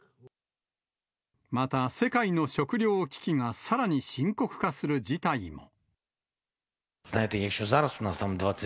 また世界の食糧危機がさらに深刻化する事態も。